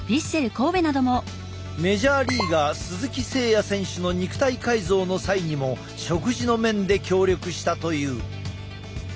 メジャーリーガー鈴木誠也選手の肉体改造の際にも食事の面で協力したという。